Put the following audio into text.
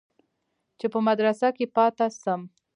چې په مدرسه کښې پاته سم.